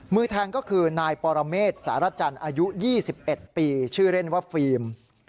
มือแทงก็คือนายปรเมษสารจันทร์อายุ๒๑ปีชื่อเล่นว่าฟิล์ม